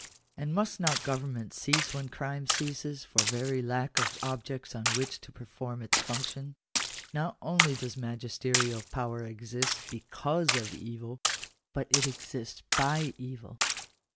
And must not government cease when crime ceases, for very lack of objects on which to perform its function ? Not only does magisterial power exist because of evil, but it exists by evil.